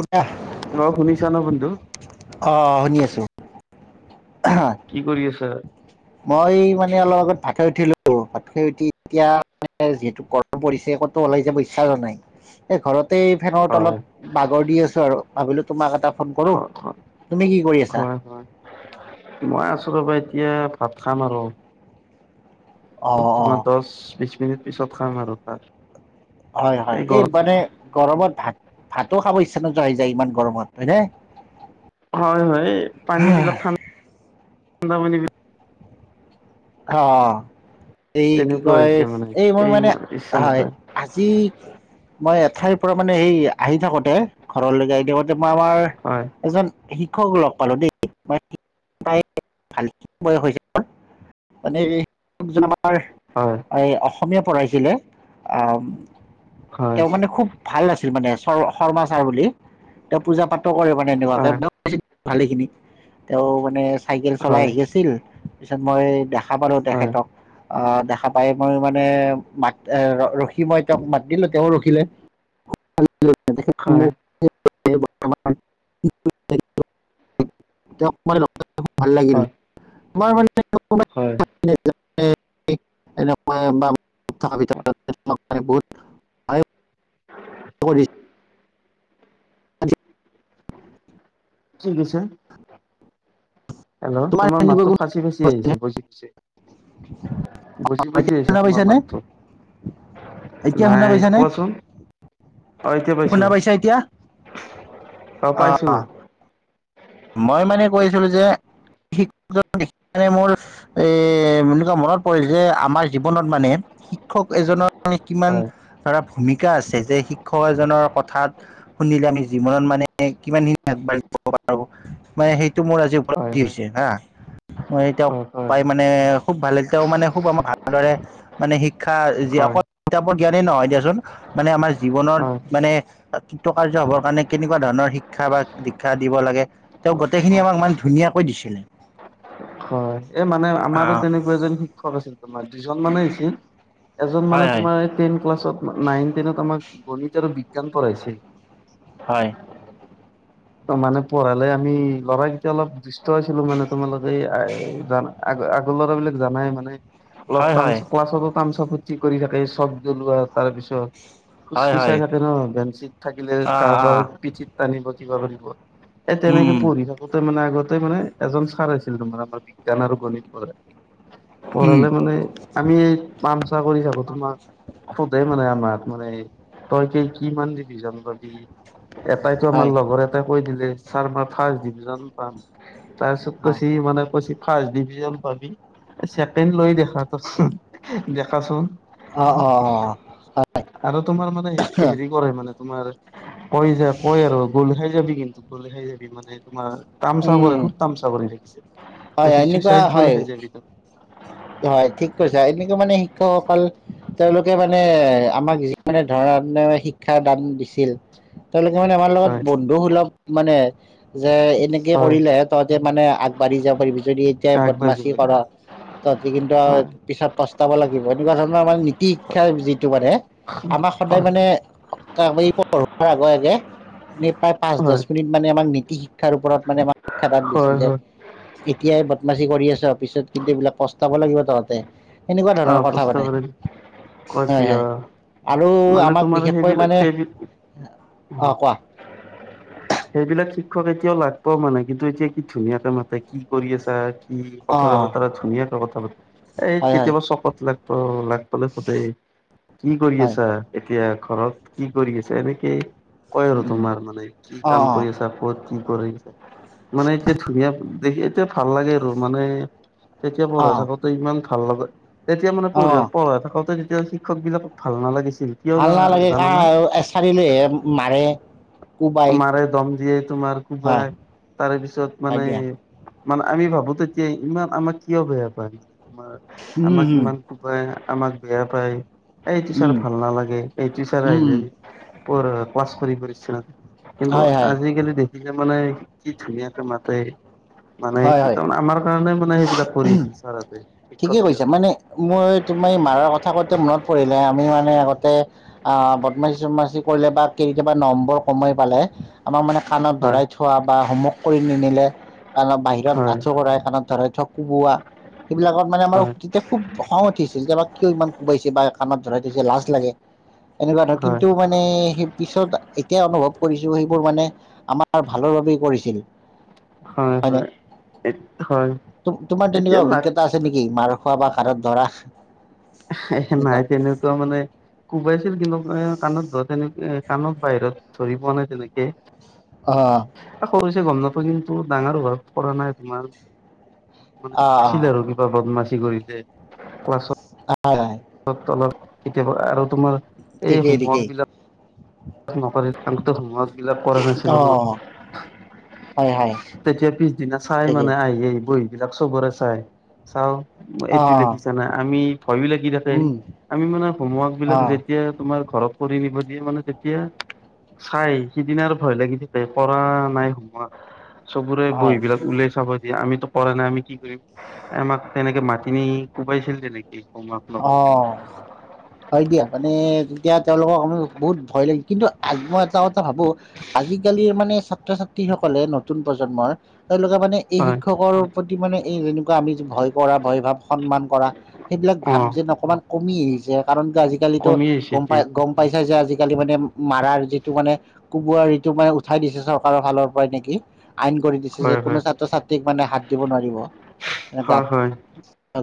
কুৰ্তা। অ শুনিছা ন বন্ধু। অ অ শুনি আছো। কি কৰি আছা। মই মানে অলপ আগত ভাত খাই উঠিলোঁ ভাত খাই উঠি এতিয়া যিহেতু। পৰিছে ক'তো ওলাই যাব ইচ্ছা হোৱা নাই এই ঘৰতে ফেনৰ তলত হয় বাগৰ দি আছো আৰু। ভাবিলো তোমাক এটা ফোন কৰো হয় হয় তুমি কি কৰি আছা। হয় হয় মই আছো ৰবা এতিয়া ভাত খাম আৰু। অ অ তোমাৰ দহ বিশ মিনিট পিছত খাম আৰু ভাত। হয় হয় এই মানে। গৰমত ভাত ভাতো খাব ইচ্ছা নোযোৱা হৈ যায় ইমান গৰমত হয় নে। হয় হয় পানী বিলাক ঠাণ্ ঠাণ্ডা পানী বিলাক। অ। এই কি তেনেকুৱা কয় হৈছে মানে এই মই মানে ইচ্ছা হয় নাযায় আজি। মই এঠাইৰ পৰা মানে এই আহি থাকোঁতে ঘৰলৈকে আহি থাকোতে মই আমাৰ হয় এজন। শিক্ষক লগ পালো দেই মই পায় ভাল বয়স হৈছে। মানে এই য আমাৰ। হয়। এই অসমীয়া পঢ়ইছিলে হয় তেওঁ মানে খুব। ভাল আছিল মানে চৰ শৰ্মা ছাৰ বুলি তেওঁ পূজা পাতো কৰে মানে এনেকুৱাকে। হয় ভালেখিনি তেওঁ মানে চাইকেল চলাই হয় আহি আছিল পিছত মই খা পালোঁ হয় তেখেতক অ দেখা পায় মই মানে মাত ৰখি মই তেওঁক মাত দিলো তেওঁ ৰখিলে [unintelligible] [unintelligible] হয় তেওঁ লগ পাই ভাল লাগিল হয় তোমাৰ মানে কোনোবাই হয় [unintelligible] সহায় কৰিছে। [unintelligible] ঠিক আছে হেল্ল তোমাৰ এনেকুৱা মাতটো কোনো ফাচি ফাচি হৈছেনে? আহিছে ফছি ফছি বুজি বুজি এতিয়া আহিছে শুনা তোমাৰ পাইছানে? মাতটো এতিয়া শুনা নাই পাইছানে? কোৱাচোন অ এতিয়া শুনা পাইছোঁ পাইছা এতিয়া? অ পাইছোঁ মই মানে কৈছিলোঁ যে মোৰ এ এনেকুৱা মনত পৰিল যে আমাৰ জীৱনত মানে শিক্ষক এজনৰ কিমান হয় ধৰা ভূমিকা আছে যে শিক্ষক এজনৰ কথাত শুনিলে আমি জীৱনত মানে কিমাখিনি আগবাঢ়িব পা ৰো মানে সেইটো মোৰ আজি হয় উপলব্ধি হয় হৈছে হা মই তেওঁক হয় হয় পাই মানে খুব ভাল তেওঁ মানে খুব আমাক ভালদৰে মানে শিক্ষা যি হয় অকল কিতাপৰ জ্ঞানেই নহয় দিয়াচোন মানে আমাৰ জীৱনৰ হয় মানে কৃতকাৰ্য হবৰ কাৰণে কেনেকুৱা ধৰণৰ শিক্ষা বা দীক্ষা দিব লাগে তেওঁ গোটেইখিনি হয় আমাক ইমান হয় ধুনীয়াকৈ দিছিল এ মানে আমাৰো আহ তেনেকুৱা এজন শিক্ষক আছিল তোমাৰ দুজন মানে আছিল এজন হয় মানে তোমাৰ এ টেন ক্লাছত নাইন টেনত আমাক গণিত আৰু বিজ্ঞান পঢ়াইছিল হয় মানে পঢ়ালে আমি ল'ৰাকেইটা অলপ দৃষ্ট আছিলো মানে তোমালোকে জানা আগ আগৰ ল'ৰাবিলাক জানাই মানে হয় অলপ টাম হয় ক্লাছতো টাম কি কৰি থাকে চব জ্বলোৱা তাৰপিছত হয় হয় হয় ফুচফুচাই থাকে ন বেঞ্চিত থাকিলে আহ আহ কাৰোবাৰ পিঠিত টানিব কিবা কৰিব এ উম তেনেক উম পঢ়িলো আগতে মানে আগতে মানে এজন ছাৰ আছিল তাৰে আমাৰ বিজ্ঞান আৰু গণিত পঢ়াই উম পঢ়ালে মানে আমি এই পামচা কৰি থাকো তোমাক সোধে মানে আমাক মানে তই কি কিমান দিবিজান পাবি এটাইতো হয় আমাৰ লগৰ এটাই কৈ দিলে ছাৰ মই ফাৰ্ষ্ট ডিভিজান পাম তাৰ পিছত অ কৈছে ই মানে কৈছে ফাৰ্ষ্ট ডিভিজান পাবি ছেকেণ্ড লৈ দেখাতোন দেখাচোন অ অ অ আৰু তোমাৰ মানে হে হেৰি কৰে মানে তোমাৰ কই যে পই আৰু গলহাই যাবি কিন্তু গলহাই যাবি মানে তোমাৰ তামচা উম প খুব তামচা কৰি ৰাখিছে হয় কৈছে এনেকুৱা চুইচাইড গলে হয় খাই যাবি ত হয় ঠিক কৈছা এনেকে মানে শিক্ষকসকল তেওঁলোকে মানে আমাক যি মানে ধৰা শিক্ষাৰ দান দিছিল তেওঁলোকে মানে আমাৰ লগত হয় বন্ধু সুলভ মানে যে এনে কে হয় কৰিলেহে তহঁতে মানে আগবাঢ়ি যাব পাৰিবি যদি এতিয়া আগবাঢ়ি বদমাছি ক'ৰ যাবি তহঁতি কিন্তু হয় পিছত পস্তাব লাগিব এনেকুৱা ধৰণৰ মানে নীতি শিক্ষাৰ যিটো মানে আমাক সদায় হয় মানে। পঢ়োৱাৰ আগে আগে প্ৰায় পাঁচ দহ হয় মিনিট মানে আমাক নীতি শিকা। শিক্ষাৰ ওপৰত মানে আমাক শিক্ষাদান দিছিল হয় যে হয় এতিয়াই বদমাচি কৰি আছ অ পিছত কিন্তু এইবিলাক পস্তাব লাগিব তহঁতে সেনেকুৱা ধৰণৰ আহ কথা প্ৰশ্ন পাতে। কৰিম কৈছি হয়ঁ হয়ঁ আহ আৰু মানে আমাক তোমাৰ বিশেষকৈ সেইবিলাক মানে সেইবিল অঁ অ কোৱা। [unintelligible] সেইবিলাক শিক্ষক এতিয়াও লাগব মানে কিন্তু এতিয়া কি ধুনীয়া কে মাতে কি কৰি আছা? ওম অ কথা পতৰা ধুনীয়াকে কথা প এই হয় হয় কেতিয়াবা চকত লাগব ল লগ পালে সোধে কি কৰি হয় আছা এতিয়া ঘৰত কি কৰি আছা এনেকে কয় আৰু উম তোমাৰ মানে কি অ কাম কৰি আছা ক'ত? কি কৰি মানে এতিয়া ধুনীয়া দেখি এতিয়া ভাল লাগে আৰু মানে। তেতিয়া অ অ পঢ়াই থাকোতে ইমান ভাল লগে তেতিয়া মানে অ পঢ় পঢ়াই থাকোতে তেতিয়া সি শিক্ষক বিলাকক ভাল নালাগিছিল। কিয় ভালনালাগে কা জানানা এচাৰি লৈহে মাৰে। কোবাই মাৰে দম দিয়ে তোমাৰ হয় কোবাই তাৰে পিছত হয় দিয়া মানে- মানে আমি ভাবো তেতিয়া ইমান আমাক কিয় বেয়া পায় মানে তোমাৰ উম আমাক উম ইমান। কুবাই আমাক বেয়া পায় এইটো উম ছাৰ উম ভাল নালাগে এইটো ছাৰ উম আহিলে পোৰা পাছ কৰি কৰিছে ন কিন্তু হয় হয় আজিকালি দেখি দেখিলে মানে কি ধুনীয়াকে মাতে। মানে হয় হয় তাৰমানে আমাৰ কাৰণে মানে সেইবিলাক কৰি আছিল চাৰহতে। ঠিকে কৈছে মানে মই তুমাৰ মাৰাৰ কথা কওঁতে মনত পৰিলে আমি মানে আগতে আহ বদমাচি চদমাচি কৰিলে বা কেতিয়াবা নম্বৰ কমাই পালে- আমাক মানে কাণত হয় ধৰাই থোৱা বা হোমৱৰ্ক কৰি নিনিলে। কাৰণত বাহিৰত হয় আঁঠু কৰাই কানত ধৰাই ধক কোবোৱা সেইবিলাকত মানে আমাৰ হয় তেতিয়া খুব খং উঠিছিল যোব কিয় ইমান কোবাইছে বা কণত ধৰাই থৈছে লাজ লাগে। এনেকুৱা ধৰক হয় কিন্তু মানে সেই পিছত এতিয়া অনুভৱ। কৰিছো সেইবোৰ মানে আমাৰ ভালৰ বাবেই কৰিছিল হয়ঁ নে? হয়ঁ তেনেকুৱা এতিয়া লা অভিজ্ঞতা আছে নেকি মাৰ খোৱা বা কাণত ধৰা। হে হে এনেকুৱা নাই তেনেকুৱা মানে। কোবাইছিল কিন্তু কাণত ধৰা তেনেক কাণত বাহিৰত ধৰি পোৱা নাই তেনেকে। অঁ! আ এই সৰু যে গম নাপোই কিন্তু ডাঙৰ অভাৱ পৰা নাই তোমাৰ মানে অঁ আছিলে আৰু কিবা বদমাচি কৰিলে ক্লাছত আৰু আহে তলত কেতিয়াবা আৰু তোমাৰ এই ঠিকেই ঠিকেই হোমৱৰ্ক বিলাক নকৰিত থাকোতে হোমৱৰ্ক বিলাক কৰা নাছিলো ন। অঁ হয় হয় তেতিয়া পিছদিনা চাই ঠিকেই মানে আহি আহেই বহী বিলাক চবৰে চাই। চাও এইটো অঁ লিখিছা নাই আমি ভয়ো লাগি থাকে। আমি মানে হোমৱৰ্ক বিলাক অঁ যেতিয়া তোমাৰ ঘৰত কৰি নিব দিয়ে মানে তেতিয়া। এতিয়া চাই সিদিনৰ ভয় লাগিছোই পঢ়া নাই সোমোৱা। চবোৰে হয় বহি বিলাক উলিয়াই চাব। যে আমিতো পৰা নাই আমি কি কৰিম আমাক তেনেকে মাতি নি কোবাইছিল তেনেকে। এই হোমৱৰ্ক। নকৰিলে অঁ হয় দিয়া মানে তেতিয়া তেওঁলোকক আমি বহুত ভয় লাগিল কিন্তু! আজি মই এটা কথা ভাবো। আজিকালিৰ মানে ছাত্ৰ ছাত্ৰীসকলে নতুন প্ৰজন্মৰ তেওঁলোকে মানে। এই হয় শিক্ষকৰ প্ৰতি মানে এই যেনেকুৱা আমি ভয় কৰা ভয় ভাৱ সন্মান কৰা সেইবিলাক। অ ভাব যেন অকমান কমি আহিছে কাৰণ আজিকালি কমি আহিছে গম পাই এতিয়া গম। পাইছা যে আজিকালি মানে মাৰাৰ যিটো মানে। কোবোৱা ৰিটো মানে উঠাই দিছে চৰকাৰৰ ফালৰ পৰাই নেকি। আইন কৰি দিছে যে হয় হয় কোনো ছাত্ৰ ছাত্ৰীক মানে হাত দিব নোৱাৰিব। গাত হয় হয়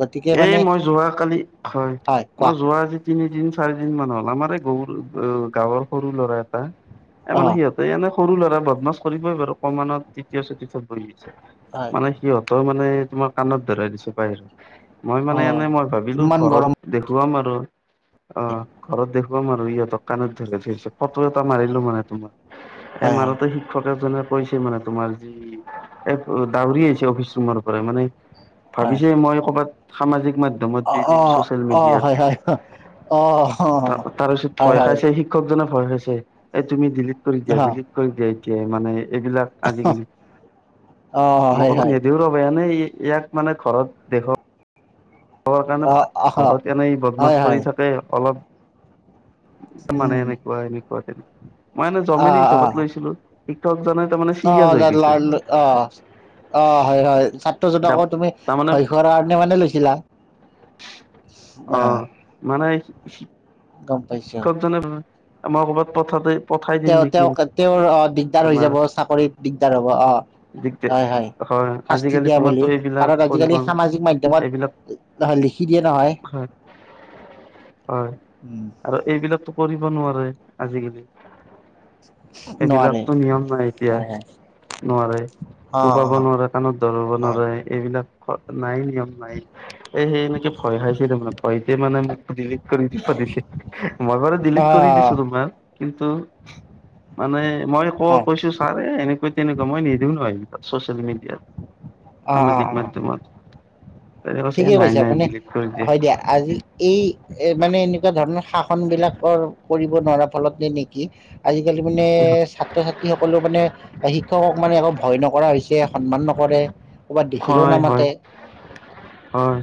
গতিকে এই মানে মই যোৱ কালি হয়। হয় কোৱা। ৰোৱা আজি তিনিদিন চাৰি দিন মান হ'ল আমাৰ এই গৰু গাঁৱৰ সৰু ল'ৰা এটা। এ অ মানে সিহঁতে এনে সৰু ল'ৰা বদমাছ কৰিবই বাৰু কমমানত তৃতীয় চতথত পঢ়ি আছে। হয় মানে সিহঁতেও মানে তোমাৰ কাণত ধৰাই দিছো বাহিৰত। মই অ মানে এনে মই ভাবিলো ইমান গৰম ঘৰত দেখুৱাম আৰু অ', ঘৰত দেখ। ম আৰু ইহঁতক কণত ধৰি ধৰিছে ফটো এটা মাৰিলো হয় মানে তোমাৰ। হয় এমাৰোতে শিক্ষক এজনে। কৈছে মানে তোমাৰ যি এক দউৰি আহিছে অফিচ ৰুমৰ পৰা মানে। হয় ভাবিছে মই ক'ৰবাত সামাজিক। মাধ্যম অ দি অ দিম চচিয়ল অ মিডিয়াত হয় হয় অ তা তাৰপিছত হয় ভয় হয় খাইছে হি। ক্ষকজনৰ ভয় হৈছে এ তুমি ডিলিট কৰি দিয়া হা ডিলিট কৰি দিয়া এতিয়া মানে এইবিলাক। আজিকালি অ মই হয় কলো হয় নিদিও ৰব এনে ইয়াক মানে ঘৰত দেখ। [inaudible] কাৰণে অ আহ ঘৰত এনেই বদমাছ হয় হয় কৰি থাকে অলপ। মানে উম এনেকুৱা এনেকুৱা তেনেকুৱা মই এনে জমনি আহ আহ হিচাপত লৈছিলো। শিক্ষকজনে। তাৰমানে চিৰিয়াছ অ', হৈ গৈছে [unintelligible] অ'। অ', হয় হয় ছাত্ৰজনাকো তুমি তাৰমানে ভয় খোৱাৰ কাৰণে মানে লৈছিলা। অ বা মানে গম পাইছো। [inaudible] আমাৰ ক'ৰবাত পথাতে তেওঁ তেওঁক তেওঁৰ অ', দিগদাৰ হৈ তোমাৰ যাব চাকৰিত দিগদাৰ হব অ'। দিগদাৰ হয় হয় শাস্তি আজিকালি দিয়া তোমাৰতো বুলি এইবিলাক কাৰণ কৰিব আজিকালি সামাজিক এইবিলাক মাধ্যমত। নহয় লিখি দিয়ে নহয়। হয় হয়। উম। আৰু এইবিলাকতো কৰিব নোৱাৰে আজিকালি। নোৱাৰে এইবিলাকতো নিয়ম নাই এতিয়া। হয় হয় নোৱাৰে অ অ কোবাব নোৱাৰে কাণত ধৰাব হয় নোৱাৰে। এইবিলাক নাই নিয়ম নাই। এ সেই এনেকে ভয় খাইছে তাৰ মে ভয়তে মানে মোক ডিলি কৰি দিছিল। মই বাৰু অ ডিলিট অ কৰি দিছো তোমাৰ কিন্তু মানে। মই ক অ কৈছো ছাৰে এনেকৈ তেনেকুৱা মই নিদিও নহয় ছচিয়েল মিডিয়াত। অ সামাজিক মাধ্যমত। তেনে ঠিকে নাই কৈছে নাই আপুনি ডিলিট কৰি দিয়ে হয় দিয়া আজি। এই এ মানে এনেকুৱা ধৰণৰ শাসন বিলাকৰ কৰিব নোৱাৰাৰ ফলত তে নেকি। আজিকালি মানে ছাত্ৰ ছাত্ৰীসকলেও মানে শিক্ষকক মানে অলপ। ভয় নকৰা হৈছে সন্মান নকৰে। ক'ৰবাত দেখিলেও হয় হয় নামাতে হয়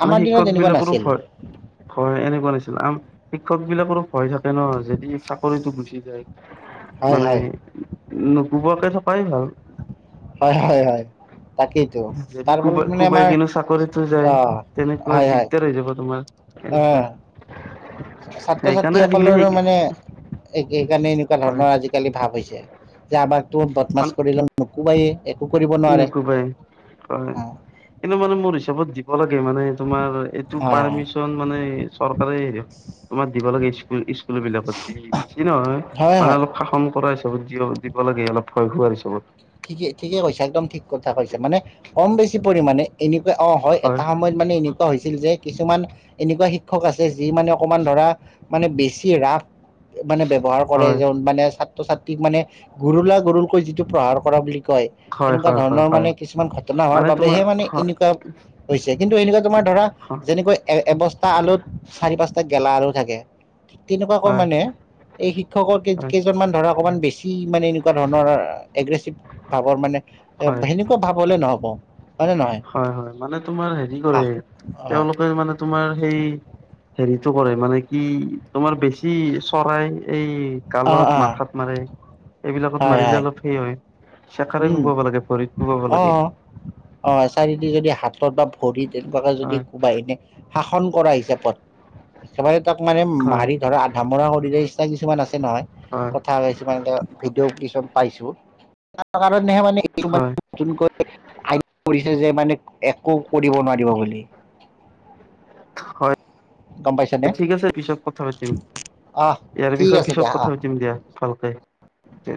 মানে আমাৰ দিনত শিক্ষক এনেকুৱা বিলাকৰো নাছিল ভয়। হয় এনেকুৱা নিচিনা আৰু শিক্ষক বিলাকৰো ভয় থাকে ন যেত ই চাকৰিতটো গুচি যায় হয় মানে হয় নুপুবাকে থকাই ভাল। হয় হয় হয় তাকেই। টো যদি তাৰ ফলত কোবাই মানে কোবাই আমাৰ কিনো চাকৰিতো যায় অ', তেনেকুৱা হয় হয়। দিগদাৰ হৈ যাব তোমাৰ। অ। এনেকুৱা চা ছাত্ৰ সেইকাৰণে ছাত্ৰী আজিকালি সেই সকলৰো মানে এক সেইকাৰণে এনেকুৱা হয় ধৰণৰ আজি কালি ভাৱ হৈছে যে আমাক তো বদমাছ মান কৰিলেও নোকোবাইয়ে একো কৰিব নোৱাৰে নুকুবাই হয় অ। কিন্তু মানে মোৰ হিচাপত দিব লাগে মানে তোমাৰ এত টো হয় পাৰ্মিচন মানে চৰকাৰে হেৰি তোমাৰ দিব লাগে স্কুল স্কুল বিলাকত। বেছি হয় নহয় হয় মানে হয় অলপ শাসন কৰা হিচাপত দিয় দিব লাগে অলপ ভয় খোৱাৰ হিচাপত। ঠিকেই ঠিকে কৈছা একদম ঠিক কথা কৈছে মানে কম বেছি পৰিমানে এনেকুৱা অ হয় এটা সমইত। মানে এনেকুৱা হৈছিল যে কিছুমান এনেকুৱা শিক্ষক আছে যি মানে অকমান ধৰা। মানে বেছি ৰাপ। মানে ব্যৱহাৰ কৰে হয় জোন মানে ছাত্ৰ ছাত্ৰীক মানে গুৰুলা গুৰুলকৈ যিটো প্ৰহাৰ। কৰা বুলি কয় হয় সেনেকুৱা হয় হয় ধৰণৰ হয় মানে কিছুমান ঘটনা হোৱাৰ মানে তোমাৰ বাবেহে মানে হয় এনেকুৱা। হৈছে কিন্তু এনেকুৱা তোমাৰ ধৰা। হয় যেনেকৈ এ এবচতা আলুত চাৰি পাঁচটা গেলা আলু থাকে ঠিক তেনেকুৱাকৈ মানে। এই শিক্ষকৰ কেই হয় কেইজনমান ধৰা অকণমান বেছি মানে এনেকুৱা ধৰণৰ এগ্ৰেছিভ। ভাবৰ মানে এ হয় সেনেকুৱা ভাবহলে নহব। হয় নে নহয়? হয় হয় মানে তোমাৰ হেৰি হা কৰে অ তেওঁলোকে মানে তোমাৰ সেই। হেৰিটো কৰে মানে কি তোমাৰ বেছি চৰাই এই। অ অ গালত মাথাত মাৰে এইবিলাকত হয় মাৰিলে হয় অলপ সেই হয়। চেকাৰে উম কোবাব লাগে ভৰিত কোবাব অ লাগে। অ অ এচাৰি দি যদি হাতত বা ভৰি এনেকুৱাকে যদি হয় কোবাই এনেই। শাসন কৰা হিচাপত একেবাৰে তাক মানে হয় মাৰি ধৰা ধামৰাৰ সদৃশ এই ইচ্ছা কিছুমান আছে নহয়। হয়। কথা কৈছো মানে ট ভিডিঅ' কিছুম পাইছোঁ। সাতটামান মানে কিছু মান হয় নতুনকৈ আই কৰিছে যে মানে। একো কৰিব নোৱাৰিব বুলি। হয়। গম পাইছানে ঠিক আছে পিছত কথা পাতিম অহ ইয়াৰ ঠিক বিষয়ে আছে পিছত দিয়া অহ কথা পাতিম দিয়া। ভালকে দে